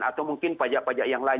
atau mungkin pajak pajak yang lain